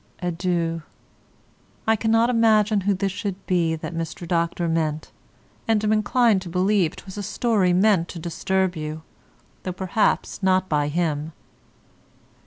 Adieu. I cannot imagine who this should be that Mr. Dr. meant, and am inclined to believe 'twas a story meant to disturb you, though perhaps not by him.